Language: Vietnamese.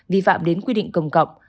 vi phạm đến quy định công cộng